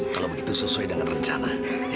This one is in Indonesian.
kalau begitu sesuai dengan rencana